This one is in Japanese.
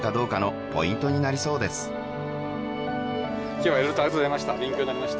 今日は色々とありがとうございました